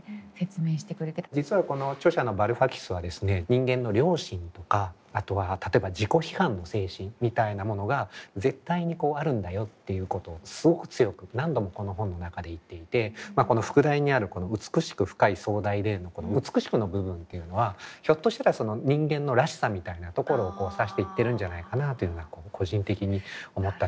人間の良心とかあとは例えば自己批判の精神みたいなものが絶対にこうあるんだよっていうことをすごく強く何度もこの本の中で言っていてこの副題にあるこの「美しく、深く、壮大で」のこの「美しく」の部分っていうのはひょっとしたら人間のらしさみたいなところを指して言ってるんじゃないかなというような個人的に思ったところですね。